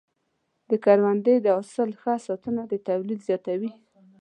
د کروندې د حاصل ښه ساتنه د تولید زیاتوي.